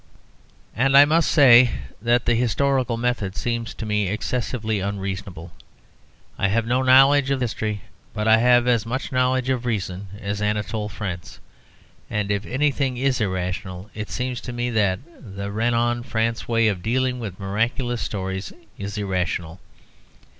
And I must say that the historical method seems to me excessively unreasonable. I have no knowledge of history, but I have as much knowledge of reason as Anatole France. And, if anything is irrational, it seems to me that the Renan France way of dealing with miraculous stories is irrational.